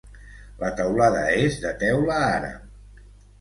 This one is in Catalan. La teulada és de teula àrab.